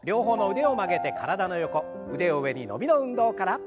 腕を上に伸びの運動から。